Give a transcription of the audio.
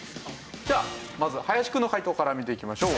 まず林くんの解答から見ていきましょう。